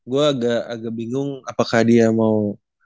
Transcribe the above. gue agak bingung apakah dia mau